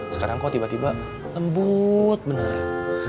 sekarang kok tiba tiba lembut beneran